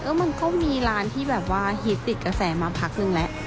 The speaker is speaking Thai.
มันก็มีร้านที่แบบว่าฮิตติดกระแสมาพักนึงแล้ว